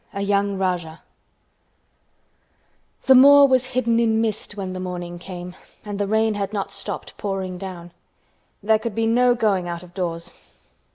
A YOUNG RAJAH The moor was hidden in mist when the morning came, and the rain had not stopped pouring down. There could be no going out of doors.